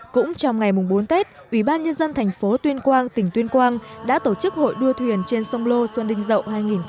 cũng trong ngày bốn tết ubnd tp tuyên quang tỉnh tuyên quang đã tổ chức hội đua thuyền trên sông lô xuân đinh dậu hai nghìn một mươi bảy